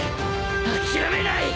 諦めない！